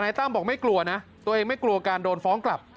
ตั้มบอกไม่กลัวนะตัวเองไม่กลัวการโดนฟ้องกลับ